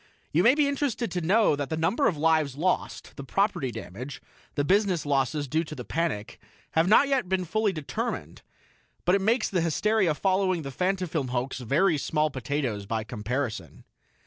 You may be interested to know that the number of lives lost, the property damage, the business losses due to the panic, have not yet been fully determined; but it makes the hysteria following the Fantafilm hoax very small potatoes by comparison.